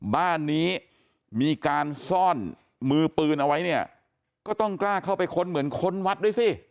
บ้านนี้มีการซ่อนมือปืนเอาไว้เนี่ยก็ต้องกล้าเข้าไปค้นเหมือนค้นวัดด้วยสิ